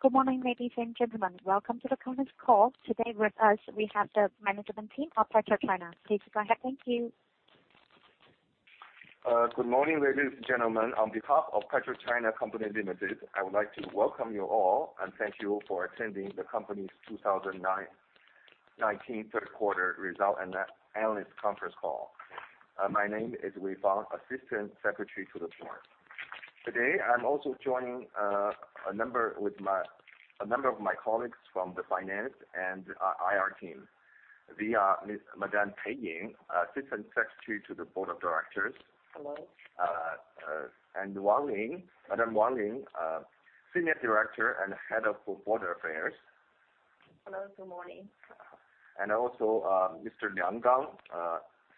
Good morning, ladies and gentlemen. Welcome to the company's call. Today with us, we have the management team of PetroChina. Please go ahead. Thank you. Good morning, ladies and gentlemen. On behalf of PetroChina Company Limited, I would like to welcome you all and thank you for attending the company's 2019 third quarter results analyst conference call. My name is Wei Fang, Assistant Secretary to the Board. Today, I'm also joined by a number of my colleagues from the finance and IR team, including Madam Pei Ying, Assistant Secretary to the Board of Directors. Hello. And Madam Wang Ling, Senior Director and Head of Border Affairs. Hello. Good morning. And also Mr. Liang Gang,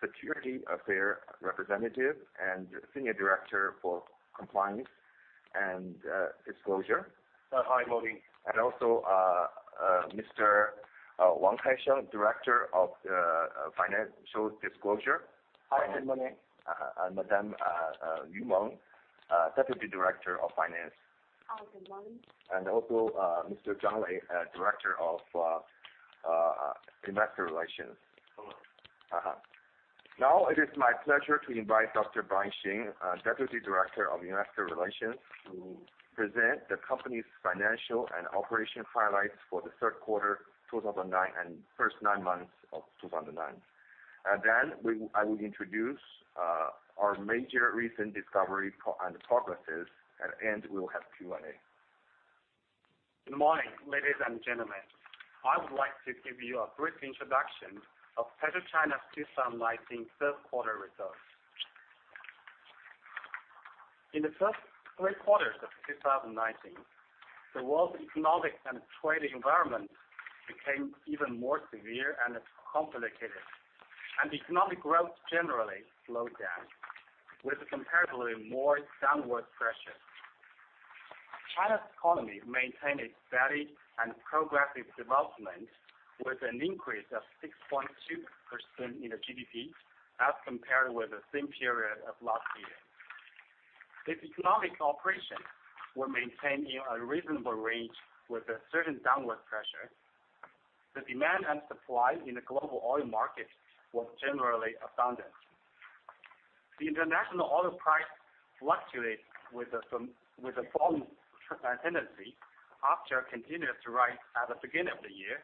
Security Affairs Representative and Senior Director for Compliance and Disclosure. Hi, good morning. And also Mr. Wang Kai Sheng, Director of Financial Disclosure. Hi, good morning. And Madam Yu Meng, Deputy Director of Finance. Hi, good morning. And also Mr. Zhang Lei, Director of Investor Relations. Hello. Now, it is my pleasure to invite Dr. Brian Xing, Deputy Director of Investor Relations, to present the company's financial and operation highlights for the third quarter 2009 and first nine months of 2009. Then I will introduce our major recent discovery and progresses, and we will have Q&A. Good morning, ladies and gentlemen. I would like to give you a brief introduction of PetroChina's 2019 third quarter results. In the first three quarters of 2019, the world economic and trade environment became even more severe and complicated, and economic growth generally slowed down with comparably more downward pressure. China's economy maintained a steady and progressive development with an increase of 6.2% in the GDP as compared with the same period of last year. Economic operations were maintained in a reasonable range with a certain downward pressure. The demand and supply in the global oil market was generally abundant. The international oil price fluctuated with the following tendency: after continuous rise at the beginning of the year,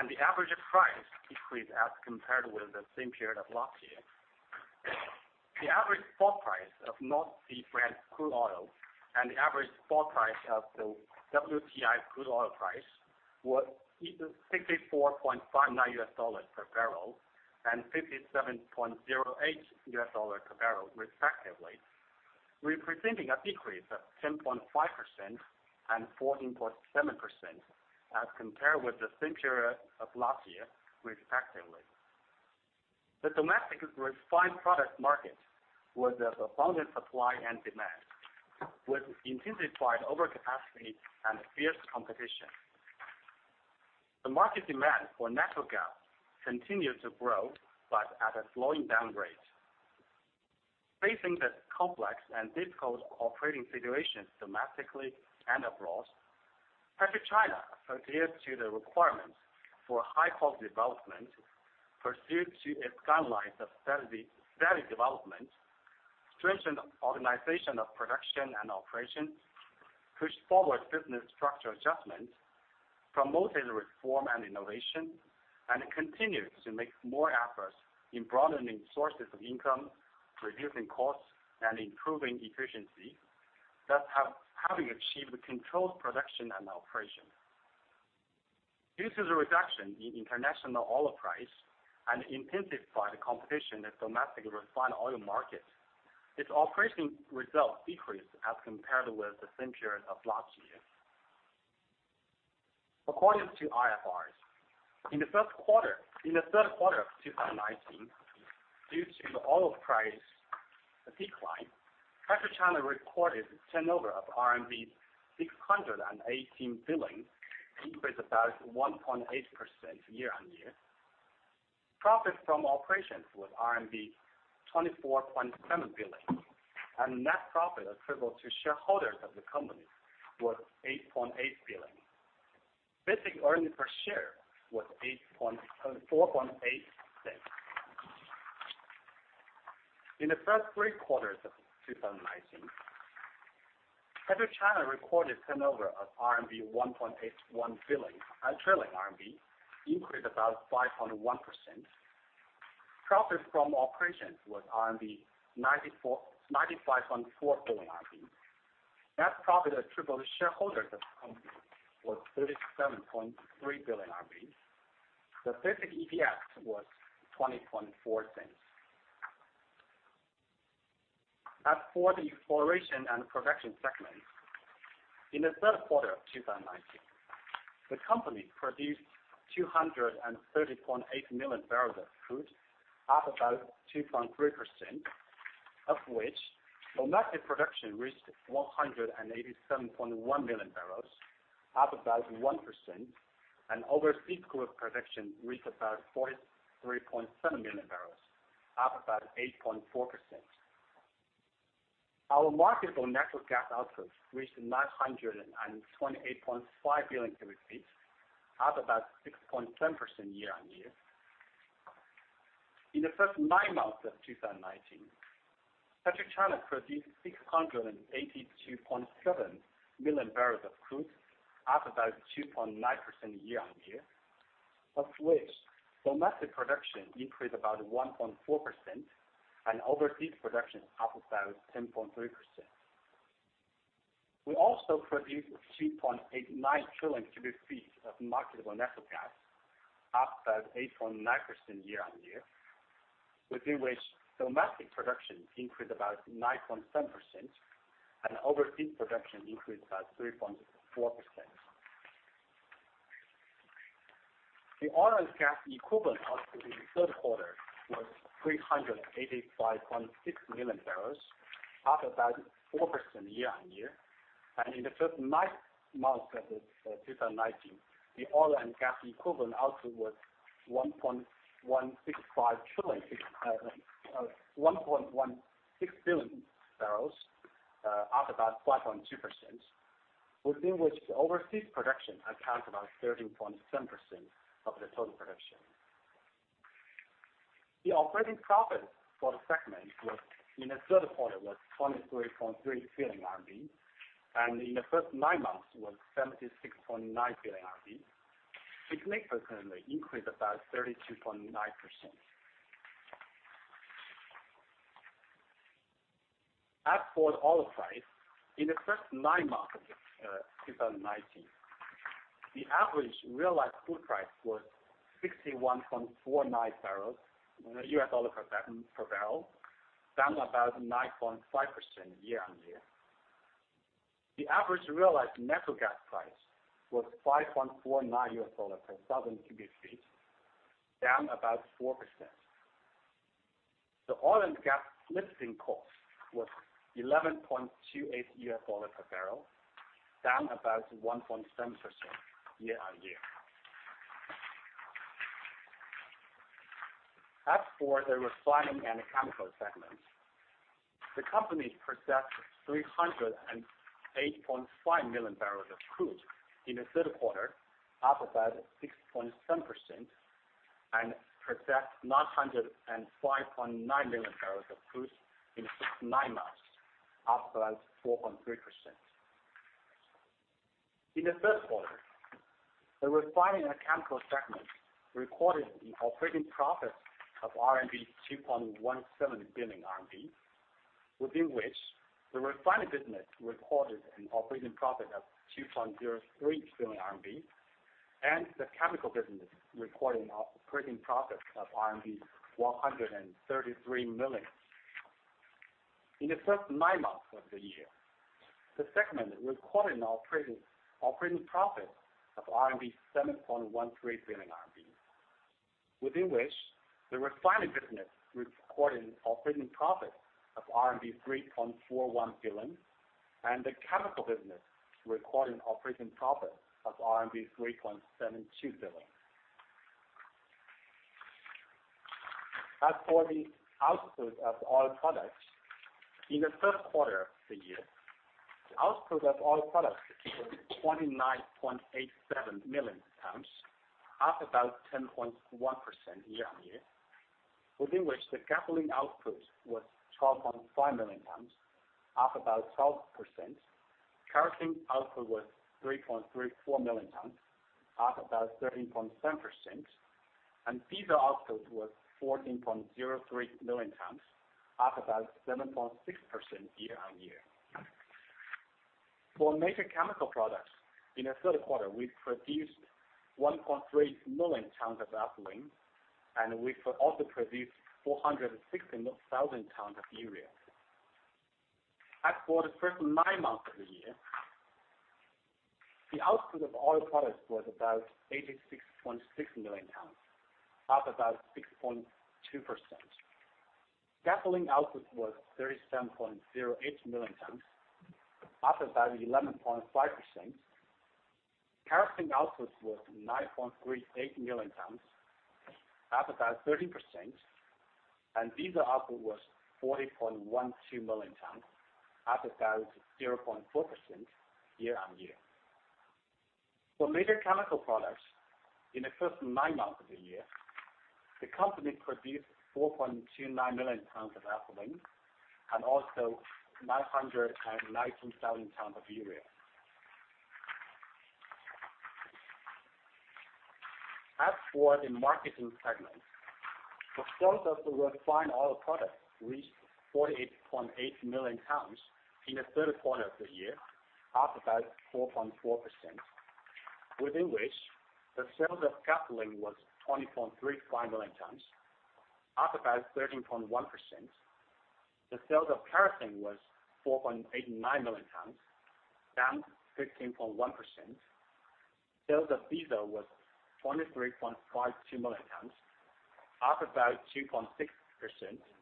the average price decreased as compared with the same period of last year. The average spot price of North Sea Brent crude oil and the average spot price of the WTI crude oil were $64.59 per barrel and $57.08 per barrel, respectively, representing a decrease of 10.5% and 14.7% as compared with the same period of last year, respectively. The domestic refined product market was of abundant supply and demand, with intensified overcapacity and fierce competition. The market demand for natural gas continued to grow, but at a slowing down rate. Facing the complex and difficult operating situations domestically and abroad, PetroChina adhered to the requirements for high-quality development, pursued its guidelines of steady development, strengthened organization of production and operations, pushed forward business structure adjustments, promoted reform and innovation, and continued to make more efforts in broadening sources of income, reducing costs, and improving efficiency, thus having achieved controlled production and operation. Due to the reduction in international oil price and intensified competition in the domestic refined oil market, its operating results decreased as compared with the same period of last year. According to IFRS, in the third quarter of 2019, due to the oil price decline, PetroChina recorded a turnover of RMB 618 billion, increased about 1.8% year on year. Profit from operations was RMB 24.7 billion, and net profit attributable to shareholders of the company was 8.8 billion. Basic earnings per share was 0.048. In the first three quarters of 2019, PetroChina recorded a turnover of 1.81 trillion RMB, increased about 5.1%. Profit from operations was 95.4 billion RMB. Net profit attributable to shareholders of the company was 37.3 billion RMB. The basic earnings per share was RMB 0.204. As for the exploration and production segment, in the third quarter of 2019, the company produced 230.8 million barrels of crude, up about 2.3%, of which domestic production reached 187.1 million barrels, up about 1%, and overseas crude production reached about 43.7 million barrels, up about 8.4%. Our marketable natural gas output reached 928.5 billion cubic feet, up about 6.7% year on year. In the first nine months of 2019, PetroChina produced 682.7 million barrels of crude, up about 2.9% year on year, of which domestic production increased about 1.4% and overseas production up about 10.3%. We also produced 2.89 trillion cubic feet of marketable natural gas, up about 8.9% year on year, of which domestic production increased about 9.7% and overseas production increased about 3.4%. The oil and gas equivalent output in the third quarter was 385.6 million barrels, up about 4% year on year. In the first nine months of 2019, the oil and gas equivalent output was 1.165 billion barrels, up about 5.2%, of which overseas production accounted for about 13.7% of the total production. The operating profit for the segment in the third quarter was 23.3 billion RMB, and in the first nine months was 76.9 billion RMB, which makes the turnover increase about 32.9%. As for the oil price, in the first nine months of 2019, the average realized crude price was $61.49 per barrel, down about 9.5% year on year. The average realized natural gas price was $5.49 per thousand cubic feet, down about 4%. The oil and gas lifting cost was $11.28 per barrel, down about 1.7% year on year. As for the refining and chemical segment, the company processed 308.5 million barrels of crude in the third quarter, up about 6.7%, and processed 905.9 million barrels of crude in the first nine months, up about 4.3%. In the third quarter, the refining and chemical segment recorded an operating profit of 2.17 billion RMB, of which the refining business recorded an operating profit of 2.03 billion RMB, and the chemical business recorded an operating profit of RMB 133 million. In the first nine months of the year, the segment recorded an operating profit of 7.13 billion RMB, of which the refining business recorded an operating profit of RMB 3.41 billion, and the chemical business recorded an operating profit of RMB 3.72 billion. As for the output of oil products, in the third quarter of the year, the output of oil products was 29.87 million tons, up about 10.1% year on year, of which the gasoline output was 12.5 million tons, up about 12%. Kerosene output was 3.34 million tons, up about 13.7%, and diesel output was 14.03 million tons, up about 7.6% year on year. For major chemical products, in the third quarter, we produced 1.3 million tons of ethylene, and we also produced 460,000 tons of urea. As for the first nine months of the year, the output of oil products was about 86.6 million tons, up about 6.2%. Gasoline output was 37.08 million tons, up about 11.5%. Kerosene output was 9.38 million tons, up about 13%, and diesel output was 40.12 million tons, up about 0.4% year on year. For major chemical products, in the first nine months of the year, the company produced 4.29 million tons of ethylene and also 919,000 tons of urea. As for the marketing segment, the sales of the refined oil products reached 48.8 million tons in the third quarter of the year, up about 4.4%, of which the sales of gasoline was 20.35 million tons, up about 13.1%. The sales of kerosene was 4.89 million tons, down 15.1%. Sales of diesel was 23.52 million tons, up about 2.6%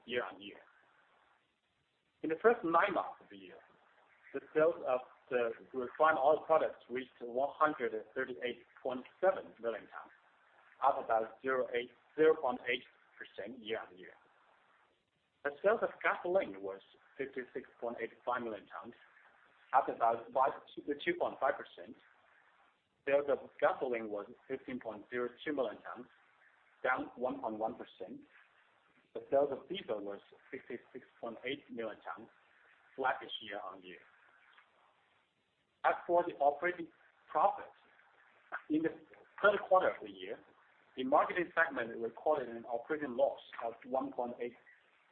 year on year. In the first nine months of the year, the sales of the refined oil products reached 138.7 million tons, up about 0.8% year on year. The sales of gasoline was 56.85 million tons, up about 2.5%. Sales of kerosene was 15.02 million tons, down 1.1%. The sales of diesel was 56.8 million tons, flat year on year. As for the operating profits, in the third quarter of the year, the marketing segment recorded an operating loss of 1.48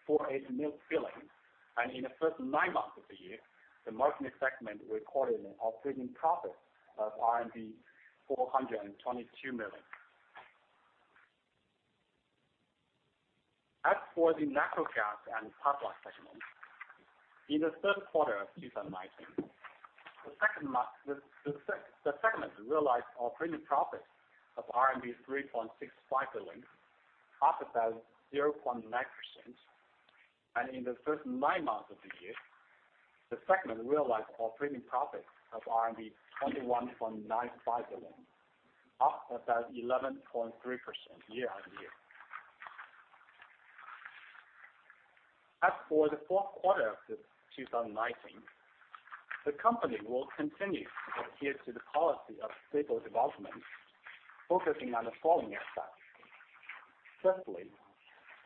billion, and in the first nine months of the year, the marketing segment recorded an operating profit of RMB 422 million. As for the natural gas and pipeline segment, in the third quarter of 2019, the segment realized operating profits of RMB 3.65 billion, up about 0.9%, and in the first nine months of the year, the segment realized operating profits of RMB 21.95 billion, up about 11.3% year on year. As for the fourth quarter of 2019, the company will continue to adhere to the policy of stable development, focusing on the following aspects. Firstly,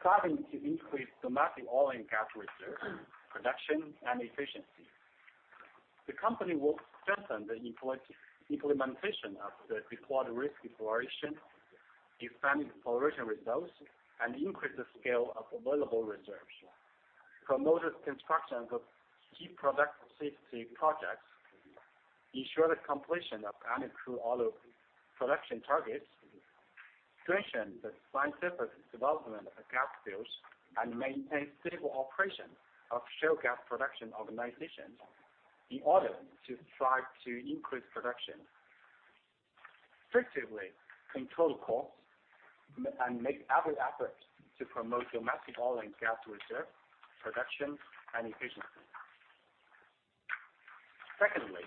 striving to increase domestic oil and gas reserves, production, and efficiency. The company will strengthen the implementation of the deployed risk exploration, expand exploration results, and increase the scale of available reserves, promote construction of key productivity projects, ensure the completion of annual crude oil production targets, strengthen the scientific development of the gas fields, and maintain stable operations of shale gas production organizations in order to strive to increase production, effectively control costs, and make every effort to promote domestic oil and gas reserves, production, and efficiency. Secondly,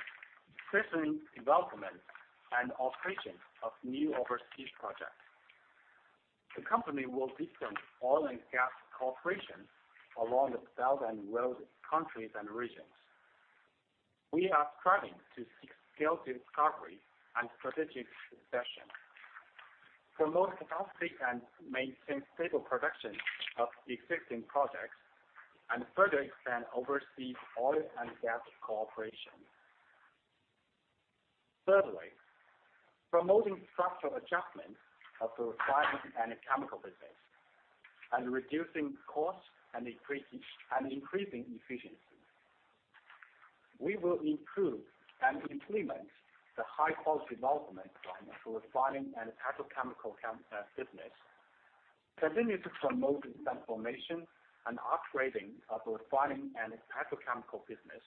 strengthen development and operation of new overseas projects. The company will deepen oil and gas cooperation along the Belt and Road countries and regions. We are striving to seek scale discovery and strategic succession, promote capacity, and maintain stable production of existing projects, and further expand overseas oil and gas cooperation. Thirdly, promoting structural adjustment of the refining and chemical business, and reducing costs and increasing efficiency. We will improve and implement the high-quality development plan of the refining and petrochemical business, continue to promote transformation and upgrading of the refining and petrochemical business,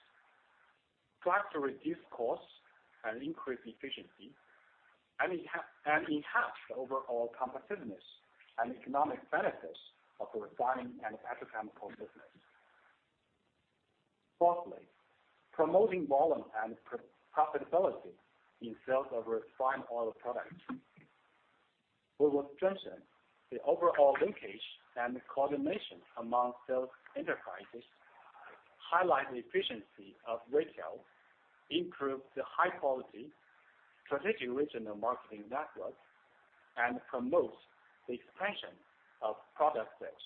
strive to reduce costs and increase efficiency, and enhance the overall competitiveness and economic benefits of the refining and petrochemical business. Fourthly, promoting volume and profitability in sales of refined oil products. We will strengthen the overall linkage and coordination among sales enterprises, highlight the efficiency of retail, improve the high-quality, strategic regional marketing network, and promote the expansion of product sales.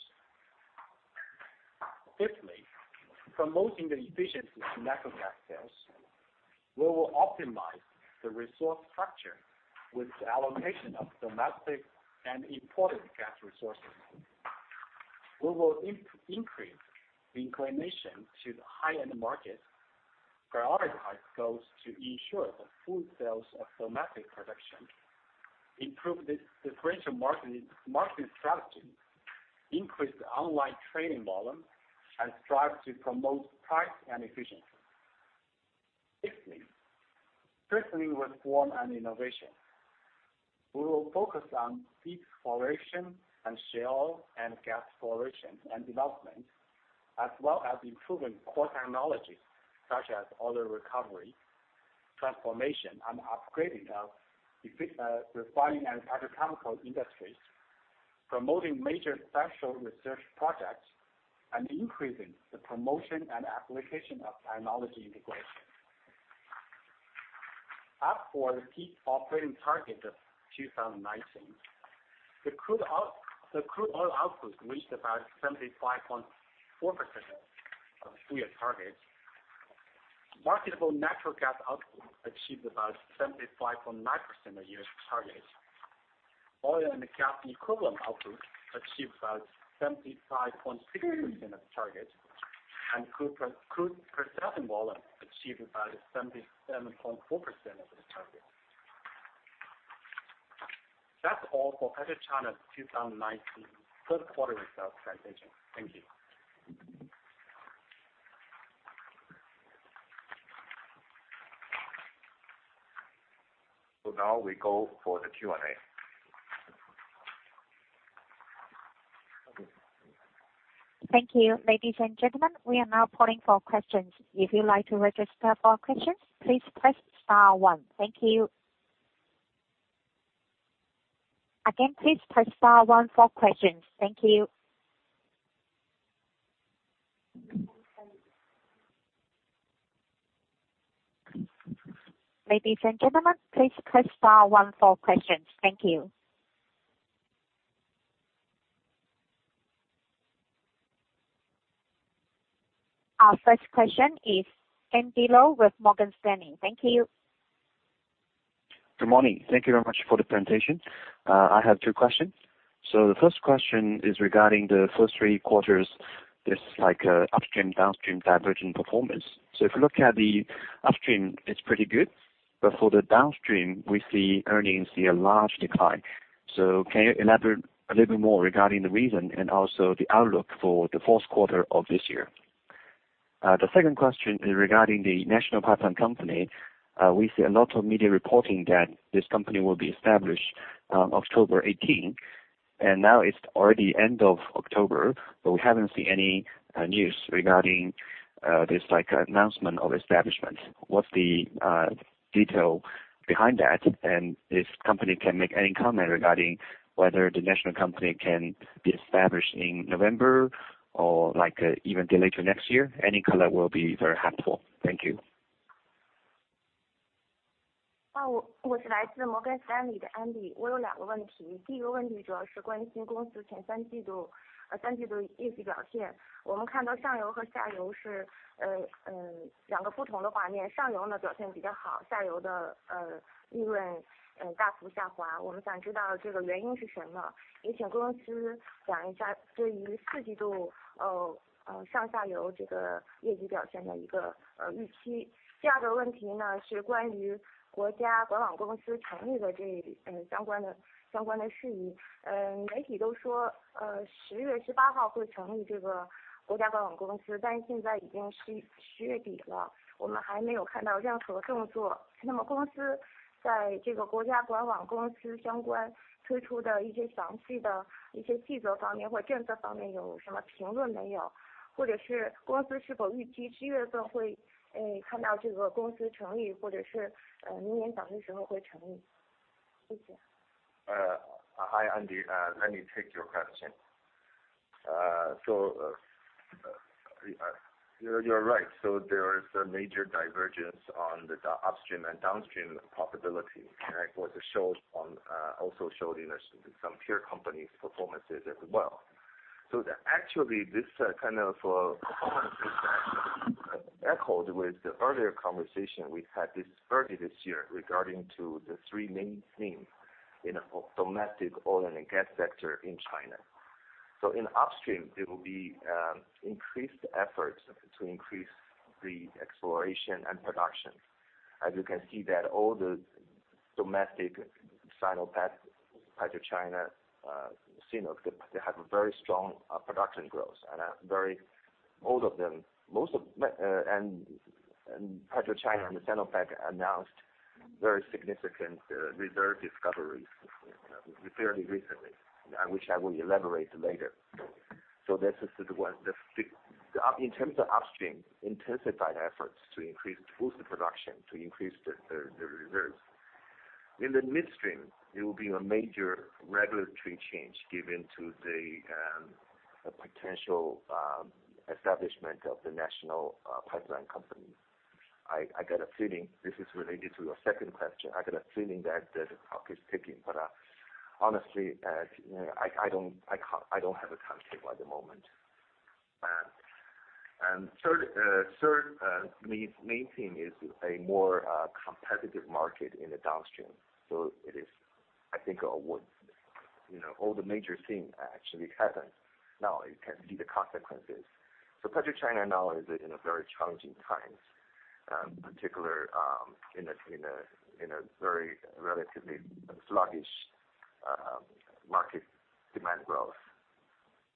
Fifthly, promoting the efficiency of natural gas sales. We will optimize the resource structure with the allocation of domestic and imported gas resources. We will increase the inclination to the high-end markets, prioritize goals to ensure the full sales of domestic production, improve the differential marketing strategy, increase the online trading volume, and strive to promote price and efficiency. Sixthly, strengthening reform and innovation. We will focus on deep exploration and shale gas exploration and development, as well as improving core technologies such as oil recovery, transformation, and upgrading of refining and petrochemical industries, promoting major special research projects, and increasing the promotion and application of technology integration. As for the key operating targets of 2019, the crude oil output reached about 75.4% of the year's target. Marketable natural gas output achieved about 75.9% of the year's target. Oil and gas equivalent output achieved about 75.6% of the target, and crude processing volume achieved about 77.4% of the target. That's all for PetroChina's 2019 third quarter results presentation. Thank you. Now we go for the Q&A. Thank you. Ladies and gentlemen, we are now polling for questions. If you'd like to register for questions, please press star one. Thank you. Again, please press star one for questions. Thank you. Ladies and gentlemen, please press star one for questions. Thank you. Our first question is Andy Lowe with Morgan Stanley. Thank you. Good morning. Thank you very much for the presentation. I have two questions. The first question is regarding the first three quarters, this upstream, downstream divergent performance. If you look at the upstream, it's pretty good. But for the downstream, we see earnings see a large decline. Can you elaborate a little bit more regarding the reason and also the outlook for the fourth quarter of this year? The second question is regarding the National Pipeline Company. We see a lot of media reporting that this company will be established on October 18. Now it's already the end of October, but we haven't seen any news regarding this announcement of establishment. What's the detail behind that? If the company can make any comment regarding whether the national company can be established in November or even delayed to next year, any color will be very helpful. Thank you. Oh, would you like to the Morgan Stanley to Andy? Hi, Andy. Let me take your question. You're right. There is a major divergence on the upstream and downstream probability, and it was also shown in some peer companies' performances as well. Actually, this kind of performance is echoed with the earlier conversation we had earlier this year regarding the three main themes in the domestic oil and gas sector in China. In upstream, there will be increased efforts to increase the exploration and production. As you can see, all the domestic Sinopec, PetroChina, Sinopec, they have very strong production growth. All of them, most of PetroChina and Sinopec announced very significant reserve discoveries fairly recently, which I will elaborate later. This is the one. In terms of upstream, intensified efforts to increase, to boost the production, to increase the reserves. In the midstream, there will be a major regulatory change given to the potential establishment of the National Pipeline Company. I got a feeling this is related to your second question. I got a feeling that the clock is ticking, but honestly, I don't have a timetable at the moment. Third, main theme is a more competitive market in the downstream. I think all the major things actually happened. Now you can see the consequences. PetroChina now is in very challenging times, particularly in a very relatively sluggish market demand growth.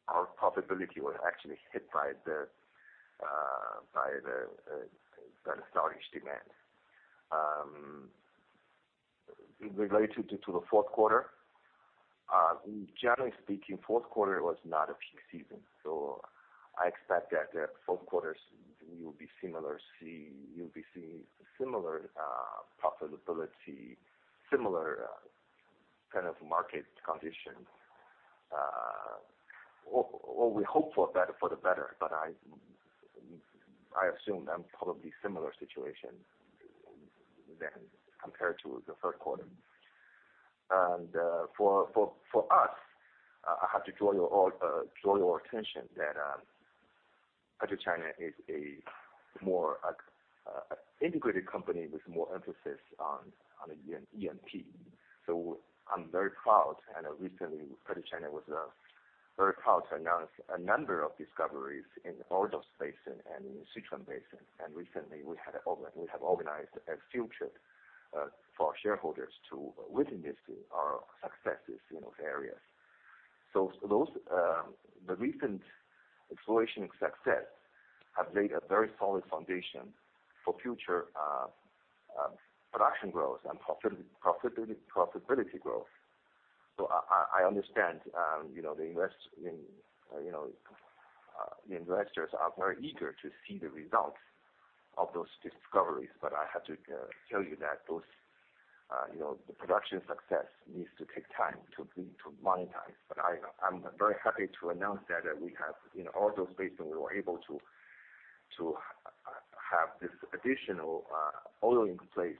Our profitability was actually hit by the sluggish demand. Related to the fourth quarter, generally speaking, fourth quarter was not a peak season. I expect that fourth quarter, we will be similar. You'll be seeing similar profitability, similar kind of market conditions. We hope for the better, but I assume probably similar situation than compared to the third quarter. For us, I have to draw your attention that PetroChina is a more integrated company with more emphasis on E&P. I'm very proud, and recently, PetroChina was very proud to announce a number of discoveries in the Ordos Basin and in the Sichuan Basin. Recently, we have organized a field trip for shareholders to witness our successes in those areas. The recent exploration success has laid a very solid foundation for future production growth and profitability growth. I understand the investors are very eager to see the results of those discoveries, but I have to tell you that the production success needs to take time to monetize. I'm very happy to announce that we have in the Ordos Basin, we were able to have this additional oil in place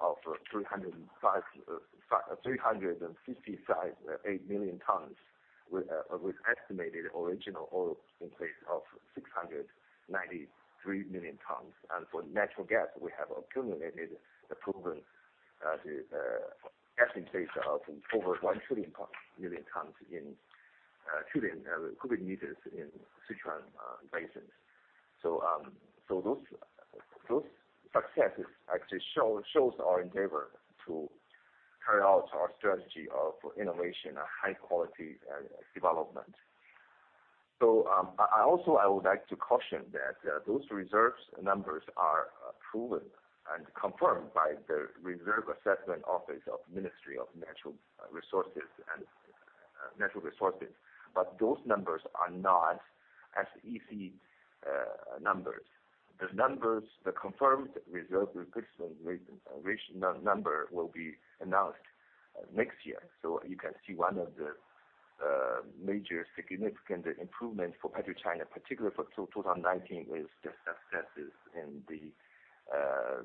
of 358 million tons, with estimated original oil in place of 693 million tons. For natural gas, we have accumulated the proven gas in place of over 1 trillion cubic meters in the Sichuan Basin. Those successes actually show our endeavor to carry out our strategy of innovation and high-quality development. Also, I would like to caution that those reserves numbers are proven and confirmed by the Reserve Assessment Office of the Ministry of Natural Resources. Those numbers are not easy numbers. The confirmed reserve replacement number will be announced next year. You can see one of the major significant improvements for PetroChina, particularly for 2019, is the successes in the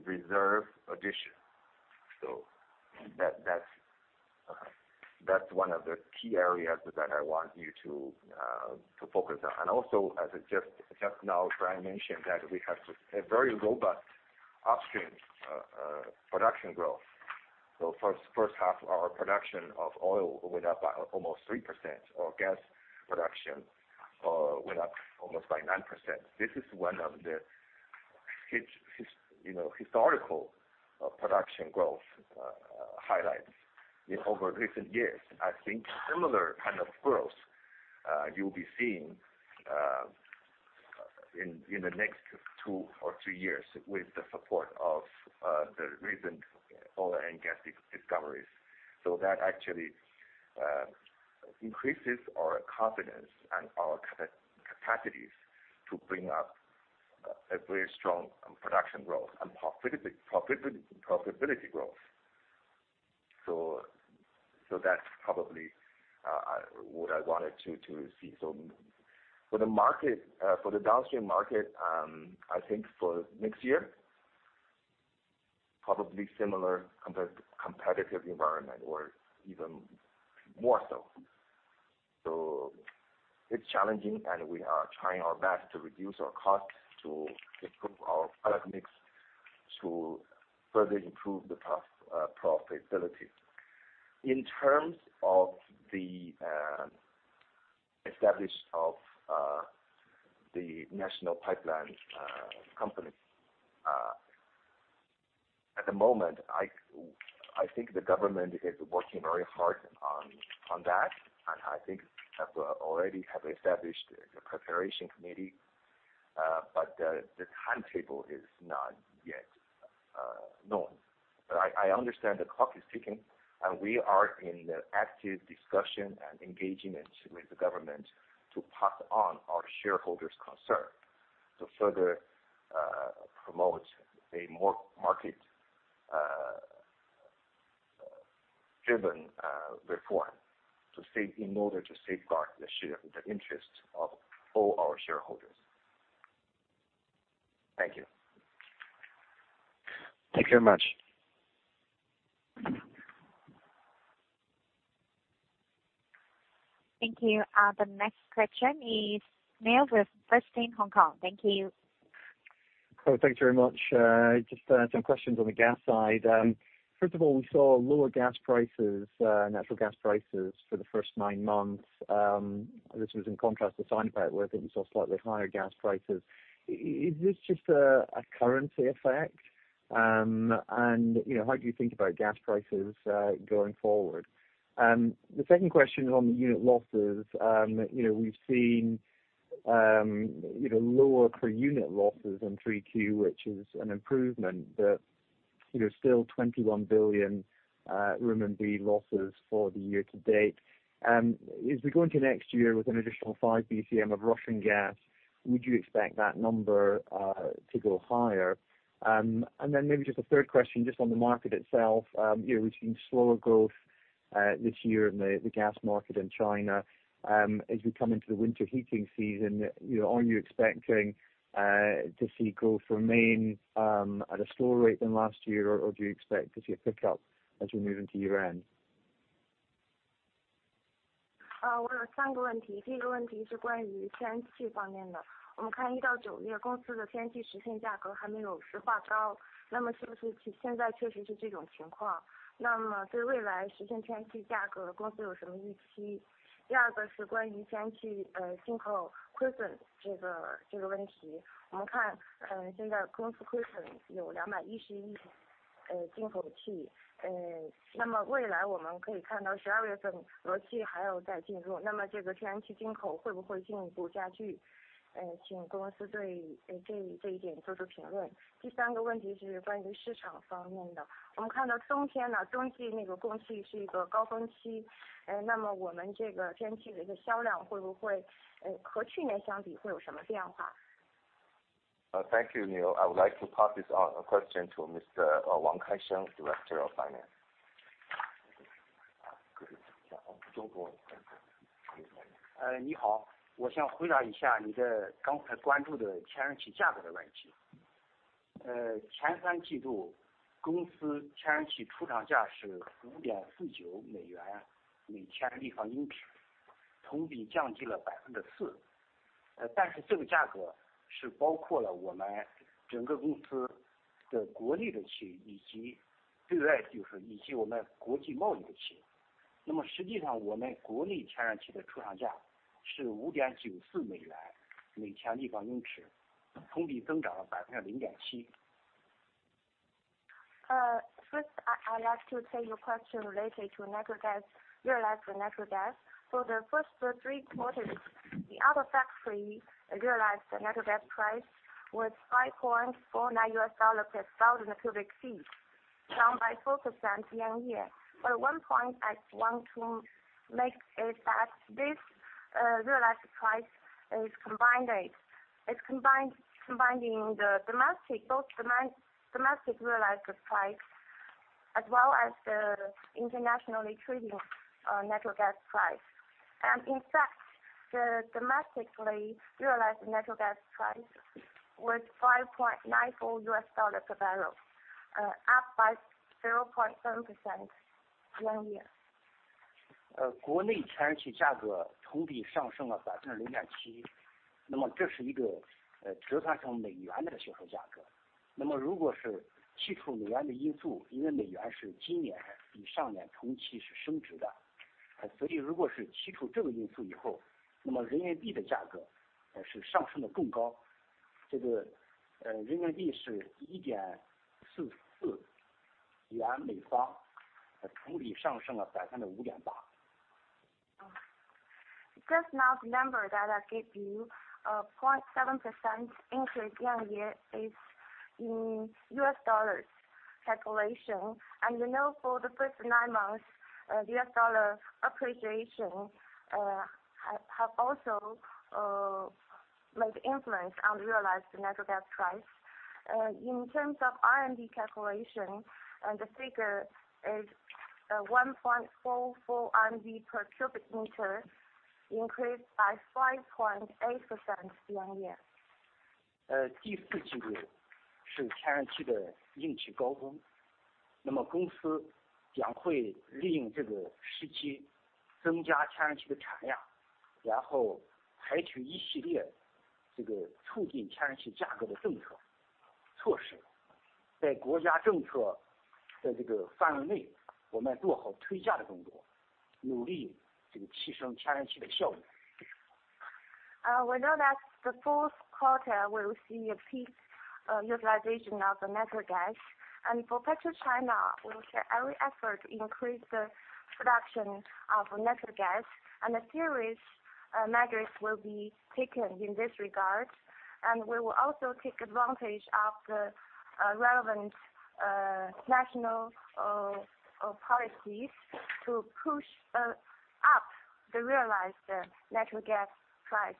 reserve addition. That's one of the key areas that I want you to focus on. Also, just now, Brian mentioned that we have a very robust upstream production growth. First half, our production of oil went up by almost 3%, our gas production went up almost by 9%. This is one of the historical production growth highlights. Over recent years, I think similar kind of growth you'll be seeing in the next two or three years with the support of the recent oil and gas discoveries. That actually increases our confidence and our capacities to bring up a very strong production growth and profitability growth. That's probably what I wanted to say. For the downstream market, I think for next year, probably similar competitive environment or even more so. It's challenging, and we are trying our best to reduce our costs, to improve our product mix, to further improve the profitability. In terms of the establishment of the National Pipeline Company, at the moment, I think the government is working very hard on that. I think they already have established a preparation committee, but the timetable is not yet known. I understand the clock is ticking, and we are in active discussion and engaging with the government to pass on our shareholders' concern to further promote a more market-driven reform in order to safeguard the interests of all our shareholders. Thank you. Thank you very much. Thank you. The next question is from Neil with First Team, Hong Kong. Thank you. Hello. Thank you very much. Just some questions on the gas side. First of all, we saw lower gas prices, natural gas prices for the first nine months. This was in contrast to Sinopec, where I think we saw slightly higher gas prices. Is this just a currency effect? How do you think about gas prices going forward? The second question is on the unit losses. We've seen lower per unit losses in Q3, which is an improvement, but still ¥21 billion losses for the year to date. As we go into next year with an additional 5 BCM of Russian gas, would you expect that number to go higher? Then maybe just a third question, just on the market itself. We've seen slower growth this year in the gas market in China. As we come into the winter heating season, are you expecting to see growth remain at a slower rate than last year, or do you expect to see a pickup as we move into year-end? 我有三个问题。第一个问题是关于天然气方面的。我们看1到9月公司的天然气实现价格还没有实质化高，那么是不是现在确实是这种情况？那么对未来实现天然气价格公司有什么预期？第二个是关于天然气进口亏损这个问题。我们看现在公司亏损有210亿进口气。那么未来我们可以看到12月份俄气还要再进入，那么这个天然气进口会不会进一步加剧？请公司对这一点做出评论。第三个问题是关于市场方面的。我们看到冬季供气是一个高峰期，那么我们天然气的一个销量会不会和去年相比会有什么变化？ Thank you, Nail. I would like to pass this question to Mr. Wang Kai Sheng, Director of Finance. First, I'd like to take your question related to natural gas, realized natural gas. So the first three quarters, the other factory realized the natural gas price was $5.49 per thousand cubic feet, down by 4% year on year. But one point I want to make is that this realized price is combined in both domestic realized price as well as the internationally trading natural gas price. In fact, domestically realized natural gas price was $5.94 per thousand cubic feet, up by 0.7% year on year. Just now, the number that I gave you, 0.7% increase year on year is in US dollars calculation. For the first nine months, the US dollar appreciation has also made an influence on realized natural gas price. In terms of RMB calculation, the figure is 1.44 RMB per cubic meter increased by 5.8% year on year. 第四季度是天然气的用气高峰。那么公司将会利用这个时期增加天然气的产量，然后采取一系列促进天然气价格的政策措施。在国家政策的范围内，我们做好推价的工作，努力提升天然气的效益。We know that in the fourth quarter we will see peak utilization of natural gas. For PetroChina, we will spare every effort to increase the production of natural gas. A series of measures will be taken in this regard. We will also take advantage of the relevant national policies to push up the realized natural gas price.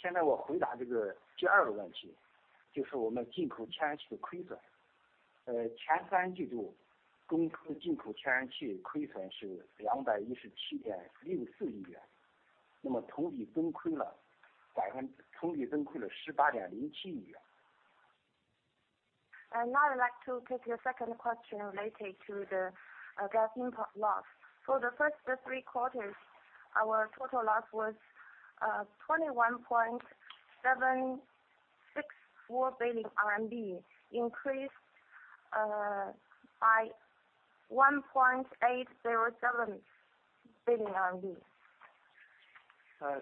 现在我回答第二个问题，就是我们进口天然气的亏损。前三季度公司进口天然气亏损是¥217.64亿元，那么同比增亏了¥18.07亿元。Now I'd like to take your second question related to the gas import loss. For the first three quarters, our total loss was ¥21.64 billion, increased by ¥1.807 billion.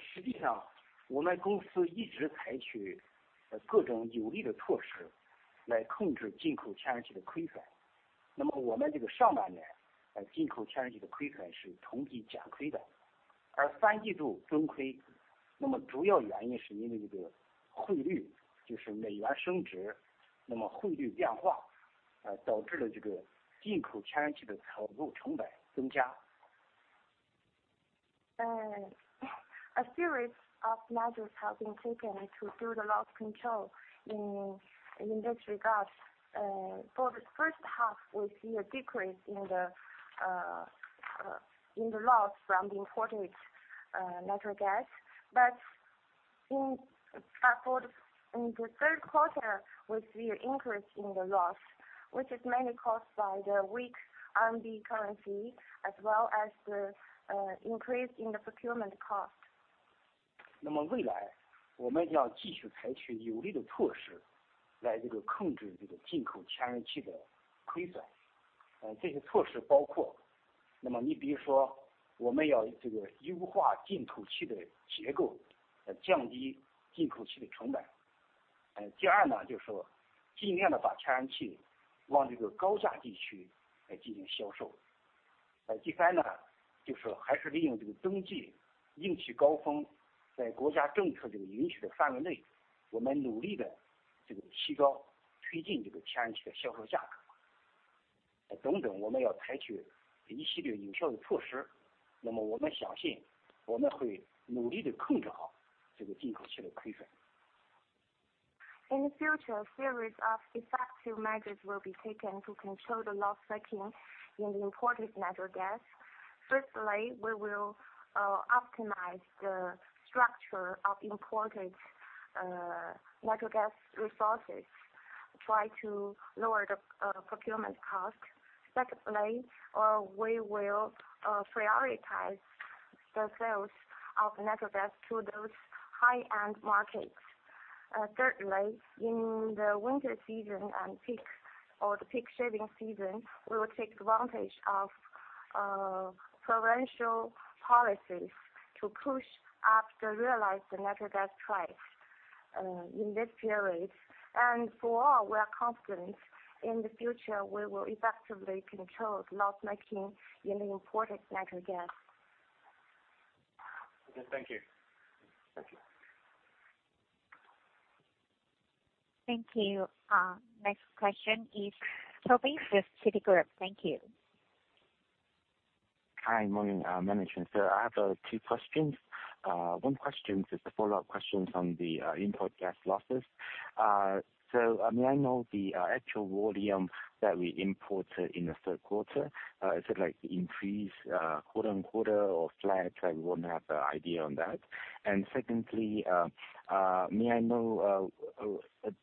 实际上，我们公司一直采取各种有力的措施来控制进口天然气的亏损。我们上半年进口天然气的亏损是同比减亏的，而三季度增亏。主要原因是因为汇率，就是美元升值，汇率变化导致了进口天然气的采购成本增加。A series of measures have been taken to do the loss control in this regard. For the first half, we see a decrease in the loss from the imported natural gas. But in the third quarter, we see an increase in the loss, which is mainly caused by the weak RMB currency, as well as the increase in the procurement cost. In the future, a series of effective measures will be taken to control the losses incurred in the imported natural gas. Firstly, we will optimize the structure of imported natural gas resources, trying to lower the procurement cost. Secondly, we will prioritize the sales of natural gas to those high-end markets. Thirdly, in the winter season and peak shaving season, we will take advantage of pricing policies to push up the realized natural gas price in this period. Overall, we are confident that in the future we will effectively control loss making in the imported natural gas. Thank you. Thank you. Next question is for the Basis City Group. Thank you. Hi, good morning Manichin. I have two questions. One question is the follow-up question on the import gas losses. May I know the actual volume that we imported in the third quarter? Is it like an increase quarter on quarter or flat? I would like to have an idea on that. Secondly, may I know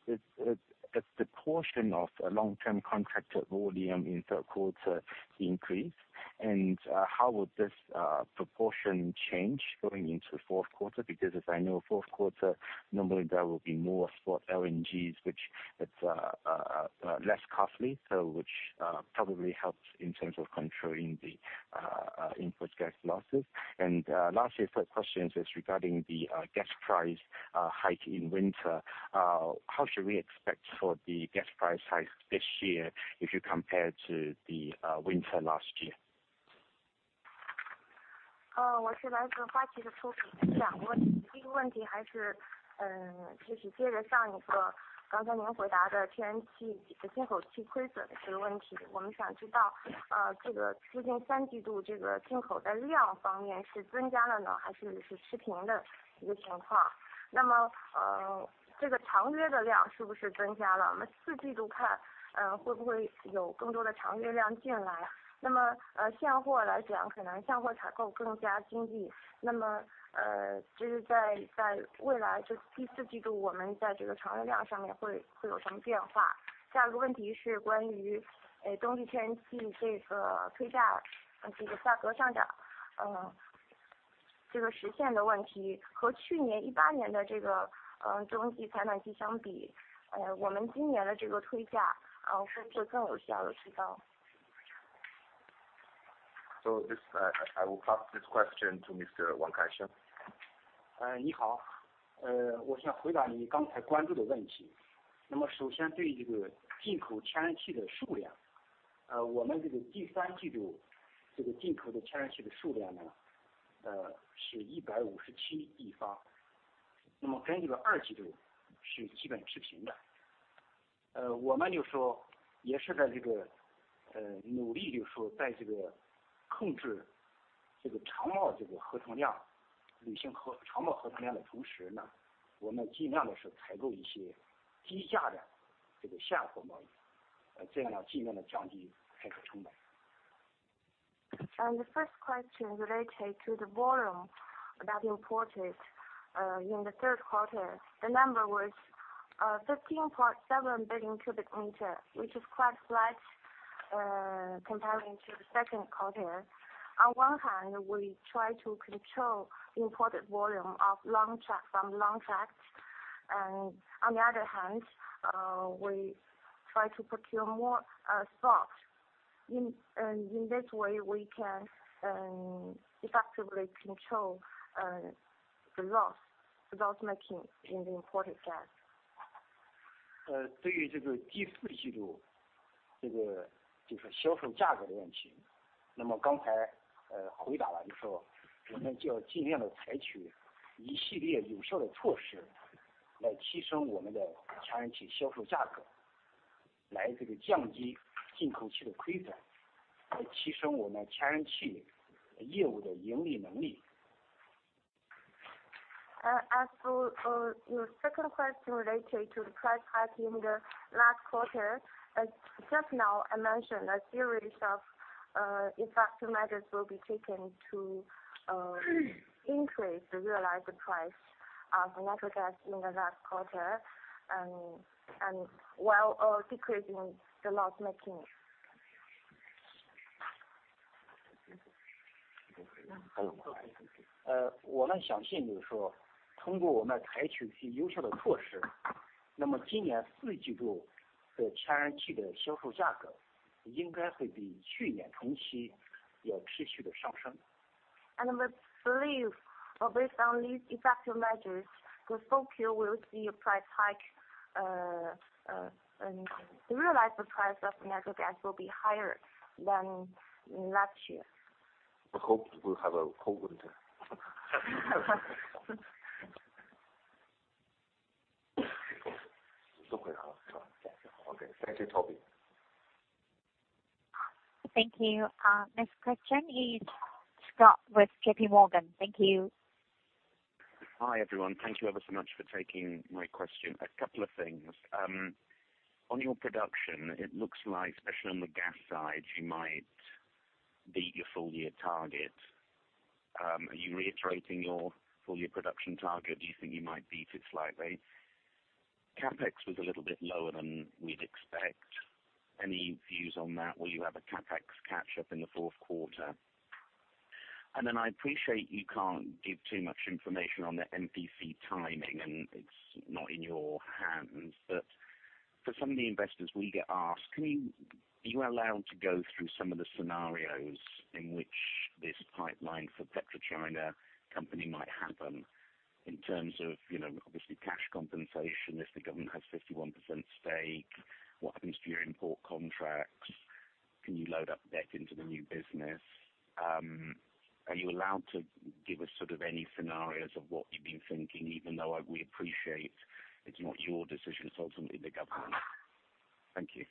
if the portion of long-term contracted volume in third quarter increased? How would this proportion change going into the fourth quarter? Because as I know, fourth quarter normally there will be more spot LNGs, which is less costly, which probably helps in terms of controlling the import gas losses. Lastly, the third question is regarding the gas price hike in winter. How should we expect the gas price hike this year if you compare to the winter last year? I will pass this question to Mr. Wang Kai Sheng. 你好。我想回答你刚才关注的问题。那么首先对进口天然气的数量，我们第三季度进口的天然气的数量是157亿立方米。那么跟二季度是基本持平的。我们也是在努力在控制长贸合同量，履行长贸合同量的同时，我们尽量地采购一些低价的现货贸易，这样尽量地降低采购成本。The first question related to the volume that imported in the third quarter, the number was 15.7 billion cubic meters, which is quite flat comparing to the second quarter. On one hand, we try to control imported volume from long track, and on the other hand, we try to procure more spot. In this way, we can effectively control the loss making in the imported gas. 对于第四季度销售价格的问题，刚才回答完了之后，我们就要尽量地采取一系列有效的措施来提升我们的天然气销售价格，来降低进口气的亏损，来提升我们天然气业务的盈利能力。As for your second question related to the price hike in the last quarter, just now I mentioned a series of effective measures will be taken to increase the realized price of natural gas in the last quarter while decreasing the loss making. 我们相信通过我们采取一些优秀的措施，那么今年四季度天然气的销售价格应该会比去年同期要持续地上升。We believe, based on these effective measures, the full Q will see a price hike, and the realized price of natural gas will be higher than last year. We hope we'll have a cold winter. 谢谢好的 Thank you, Toby. Thank you. Next question is Scott with JPMorgan. Thank you. Hi everyone. Thank you ever so much for taking my question. A couple of things. On your production, it looks like, especially on the gas side, you might beat your full year target. Are you reiterating your full year production target? Do you think you might beat it slightly? CapEx was a little bit lower than we'd expect. Any views on that? Will you have a CapEx catch-up in the fourth quarter? I appreciate you can't give too much information on the NPC timing, and it's not in your hands. But for some of the investors we get asked, are you allowed to go through some of the scenarios in which this pipeline for PetroChina Company might happen in terms of, obviously, cash compensation if the government has 51% stake? What happens to your import contracts? Can you load up debt into the new business? Are you allowed to give us any scenarios of what you've been thinking, even though we appreciate it's not your decision, it's ultimately the government? Thank you.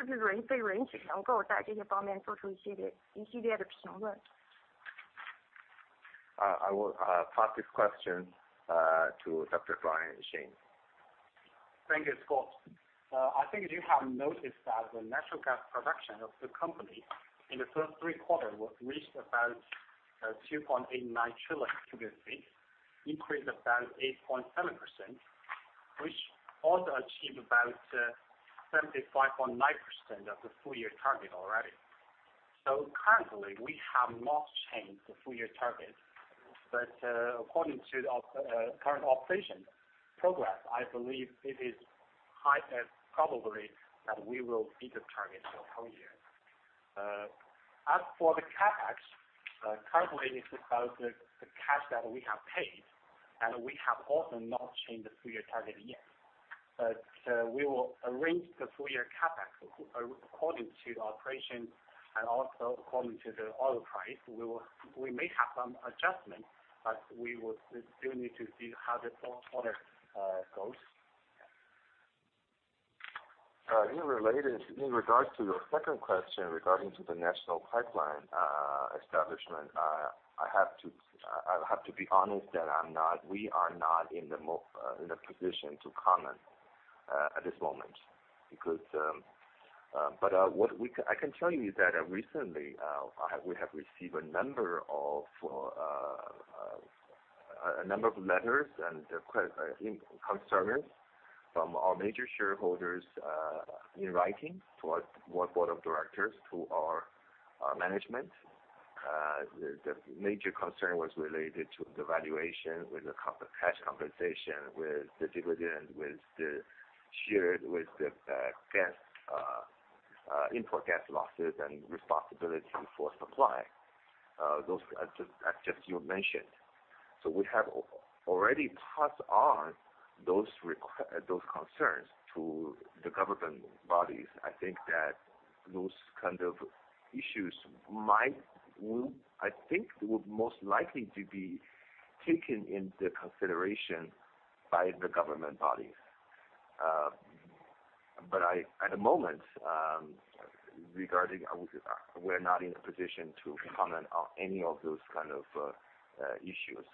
I will pass this question to Dr. Brian Sheng. Thank you, Scott. I think you have noticed that the natural gas production of the company in the first three quarters reached about 2.89 trillion cubic feet, increased about 8.7%, which also achieved about 75.9% of the full year target already. So currently, we have not changed the full year target, but according to current operation progress, I believe it is highly probable that we will beat the target for the whole year. As for the CapEx, currently it's about the cash that we have paid, and we have also not changed the full year target yet. But we will arrange the full year CapEx according to operations and also according to the oil price. We may have some adjustment, but we will still need to see how the fourth quarter goes. In regards to your second question regarding the national pipeline establishment, I have to be honest that we are not in the position to comment at this moment. But what I can tell you is that recently we have received a number of letters and concerns from our major shareholders in writing to our Board of Directors, to our management. The major concern was related to the valuation, the cash compensation, the dividend, the import gas losses, and responsibility for supply. Those are just as you mentioned. So we have already passed on those concerns to the government bodies. I think that those kind of issues might, I think most likely to be taken into consideration by the government bodies. But at the moment, we are not in a position to comment on any of those kind of issues.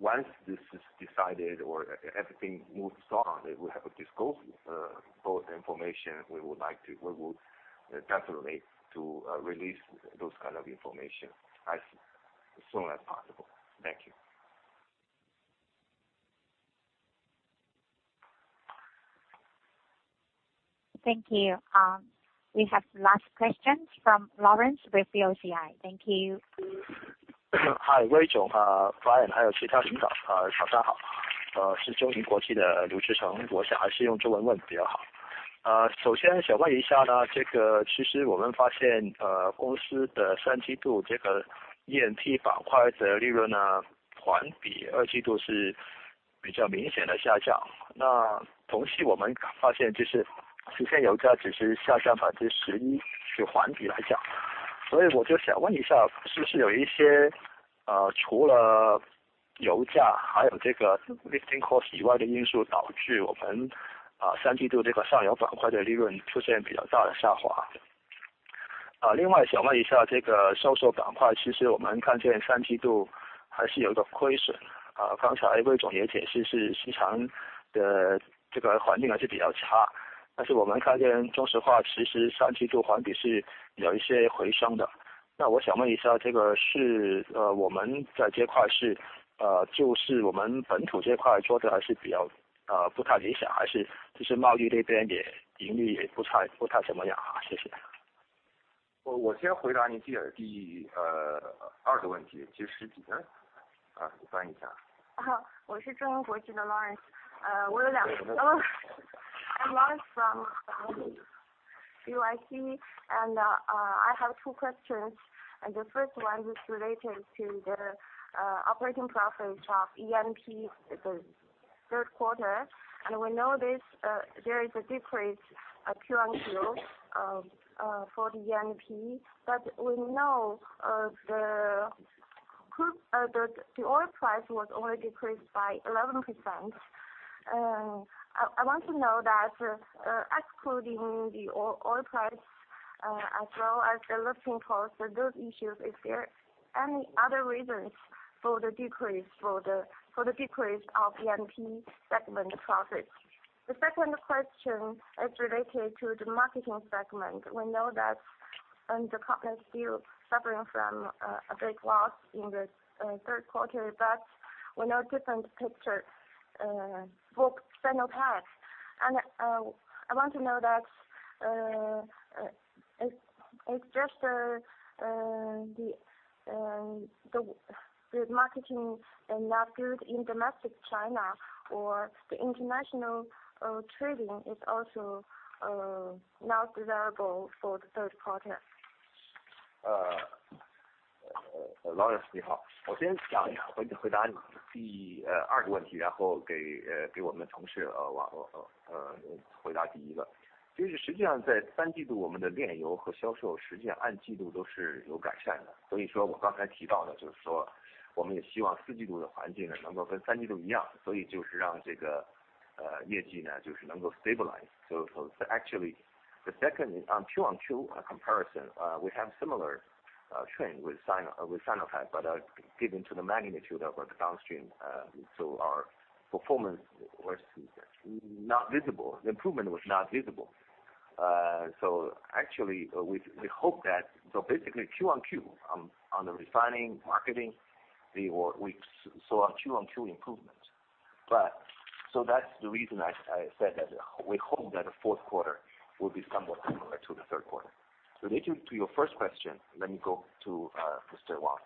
Once this is decided or everything moves on, we have a disclosure board information. We would like to, we will definitely release those kind of information as soon as possible. Thank you. Thank you. We have last question from Lawrence with POCI. Thank you. Hi, Rachel. Hi, 我是张行长。早上好。是中银国际的刘志成。我想还是用中文问比较好。首先想问一下，这个其实我们发现公司的三季度这个EMP板块的利润环比二季度是比较明显的下降。那同时我们发现就是实现油价只是下降11%，就环比来讲。所以我就想问一下，是不是有一些除了油价，还有这个lifting 我先回答您第二个问题，其实是翻译一下。我是中银国际的Lawrence。我有两个问题。I'm Lawrence from BOCI, and I have two questions. The first one is related to the operating profit of E&P in the third quarter. We know there is a decrease quarter on quarter for the E&P, but we know the oil price was only decreased by 11%. I want to know that excluding the oil price as well as the lifting cost, those issues, is there any other reasons for the decrease of E&P segment profits? The second question is related to the marketing segment. We know that the company is still suffering from a big loss in the third quarter, but we know different picture for refining. I want to know that it's just the marketing not good in domestic China or the international trading is also not desirable for the third quarter. Lawrence，你好。我先讲一下，回答你第二个问题，然后给我们的同事回答第一个。就是实际上在三季度我们的炼油和销售实际上按季度都是有改善的。所以说我刚才提到的就是说我们也希望四季度的环境能够跟三季度一样，所以就是让这个业绩能够stabilize。所以说actually the second Q on Q comparison, we have similar trend with Sinotech, but given to the magnitude of the downstream, so our performance was not visible. The improvement was not visible. So actually we hope that so basically Q on Q on the refining marketing, we saw Q on Q improvement. But so that's the reason I said that we hope that the fourth quarter will be somewhat similar to the third quarter. Related to your first question, let me go to Mr. Wang.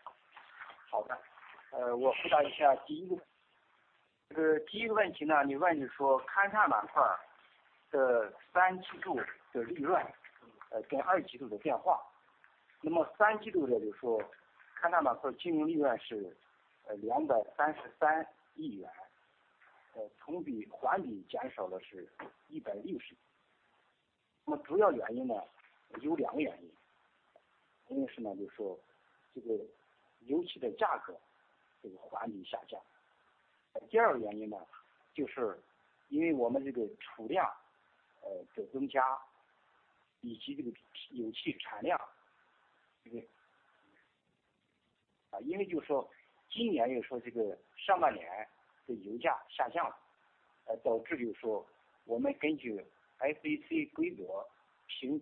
For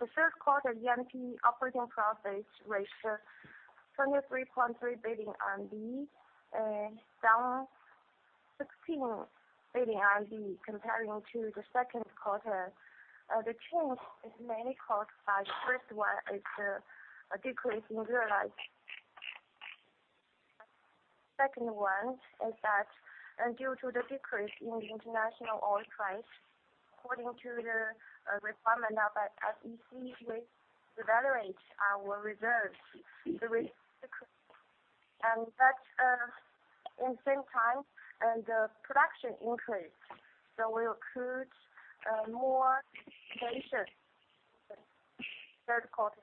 the third quarter, EMP operating profit rate ¥23.3 billion, down ¥16 billion comparing to the second quarter. The change is mainly caused by the first one is the decrease in realized price. Second one is that due to the decrease in the international oil price, according to the requirement of FEC, we devaluate our reserves. At the same time, the production increased, so we accrued more DD&A in third quarter.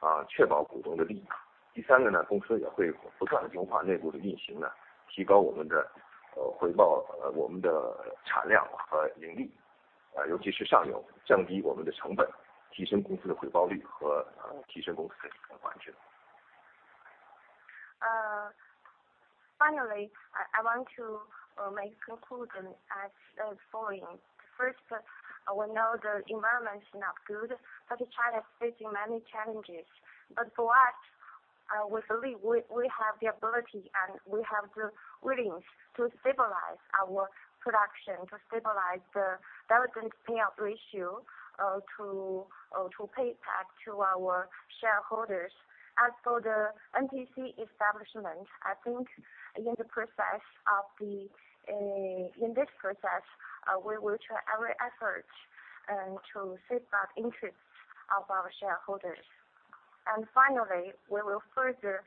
Finally, I want to make a conclusion as follows. First, we know the environment is not good, but China is facing many challenges. But for us, we believe we have the ability and we have the willingness to stabilize our production, to stabilize the dividend payout ratio, to pay back to our shareholders. As for the NPC establishment, I think in this process, we will try every effort to safeguard the interests of our shareholders. Finally, we will further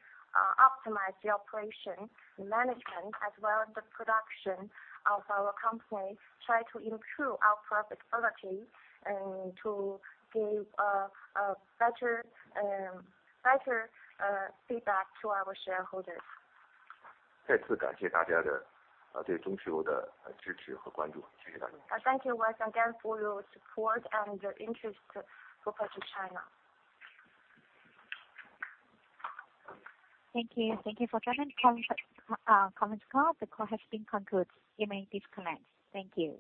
optimize the operation management as well as the production of our company, try to improve our profitability and to give better feedback to our shareholders. 再次感谢大家对中石油的支持和关注。谢谢大家。Thank you once again for your support and interest for China. Thank you. Thank you for coming to the conference call. The call has been concluded. You may disconnect. Thank you.